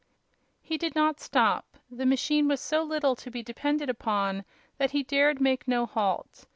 He did not stop. The machine was so little to be depended upon that he dared make no halt.